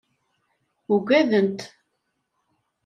Uggaden-t.